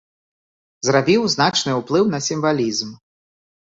Зрабіў значны ўплыў на сімвалізм.